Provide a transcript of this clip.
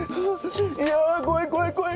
いや怖い怖い怖い。